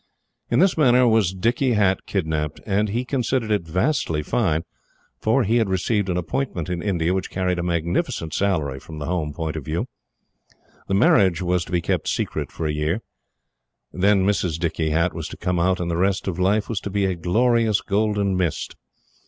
In this manner was Dicky Hatt kidnapped, and he considered it vastly fine, for he had received an appointment in India which carried a magnificent salary from the Home point of view. The marriage was to be kept secret for a year. Then Mrs. Dicky Hatt was to come out and the rest of life was to be a glorious golden mist.